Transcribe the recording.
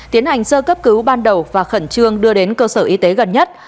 tiến hành sơ cấp cứu ban đầu và khẩn trương đưa đến cơ sở y tế gần nhất